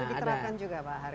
diterapkan juga pak haris